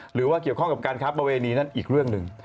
หรือว่าเกี่ยวข้องกับการค้าประเวณีนั่นอีกเรื่องหนึ่ง